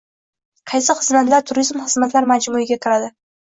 Qaysi xizmatlar turizm xizmatlar majmuiga kiradi?